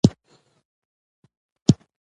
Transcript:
هغه دا وه چې مکالمې يې ډېرې خوندورې دي